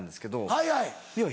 はいはい。